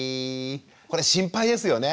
これ心配ですよね。